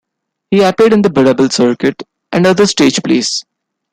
He appeared in the "bodabil" circuit and other stage plays.